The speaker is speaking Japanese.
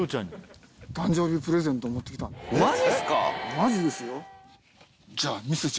マジですよ。